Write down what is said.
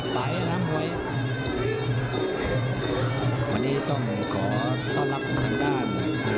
ตอนนี้ต้องขอต้อนรับคุณทางการ